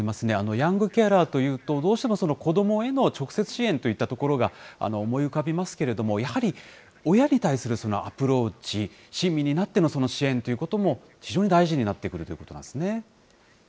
ヤングケアラーというと、どうしてもその子どもへの直接支援といったところが、思い浮かびますけれども、やはり親に対するそのアプローチ、親身になっての支援ということも、非常に大事になってくるということなんですね。